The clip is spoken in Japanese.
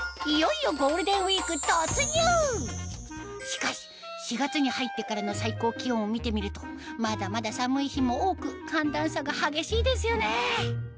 しかし４月に入ってからの最高気温を見てみるとまだまだ寒い日も多く寒暖差が激しいですよね